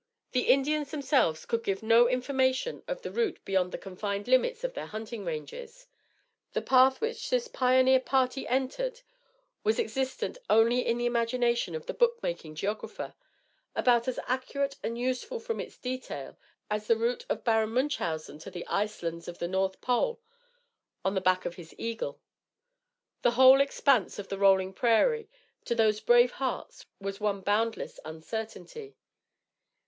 The Indians themselves could give no information of the route beyond the confined limits of their hunting ranges. The path which this pioneer party entered was existent only in the imagination of the book making geographer, about as accurate and useful from its detail, as the route of Baron Munchausen to the icelands of the North Pole on the back of his eagle. The whole expanse of the rolling prairie, to those brave hearts, was one boundless uncertainty.